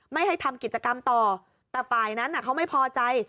ไม่ให้ทำกิจกรรมต่อแต่ฝ่ายนั้นเขาไม่พอใจ